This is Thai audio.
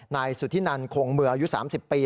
นายสุธินันคงเมืองอายุ๓๐ปี